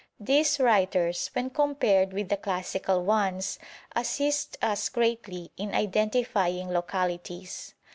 These writers, when compared with the classical ones, assist us greatly in identifying localities.